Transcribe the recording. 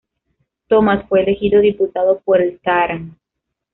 Thomas fue elegido diputado por el Tarn.